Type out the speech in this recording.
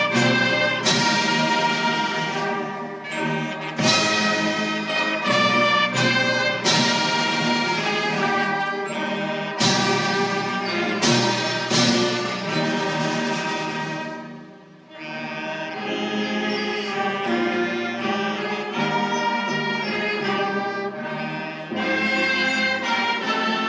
kembali ke tempat